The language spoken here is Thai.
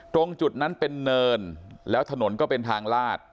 ตรงจุดนั้นเป็นเนินแล้วถนนก็เป็นทางลาด